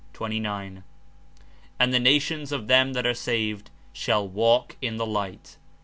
''Ajid the nations of them that are saved shall walk in the light.''''